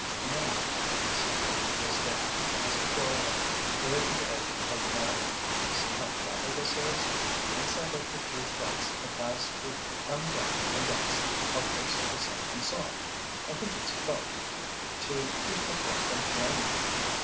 "Now," he said, as Dick, last to crawl in, cleared the edge of the metal, "see how clever this is—the inside of the two plates it has to come down against are fixed with something soft—I think it's felt—to keep the plate from clanging.